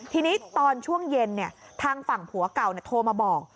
ทีนี้ตอนช่วงเย็นทางฝั่งผัวเก่าโทรมาบอก